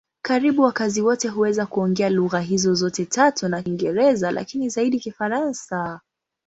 Karibu wakazi wote huweza kuongea lugha hizo zote tatu na Kiingereza, lakini zaidi Kifaransa.